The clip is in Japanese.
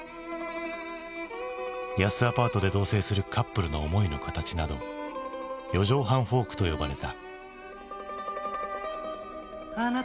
安アパートで同せいするカップルの思いの形など「四畳半フォーク」と呼ばれた。